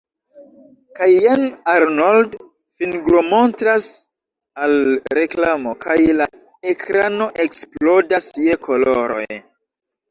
Kaj jen Arnold fingromontras al reklamo, kaj la ekrano eksplodas je koloroj.